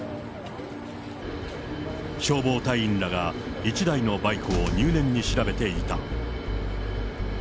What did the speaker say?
消防隊員らが１台のバイクを入念に調べていた。